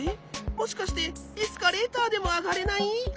もしかしてエスカレーターでもあがれない！？